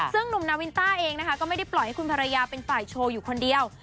ซึ่งหนุ่มนาวินต้าเองนะคะก็ไม่ได้ปล่อยให้คุณภรรยาเป็นฝ่ายโชว์อยู่คนเดียว